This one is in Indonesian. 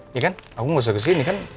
iya kan aku gak usah kesini kan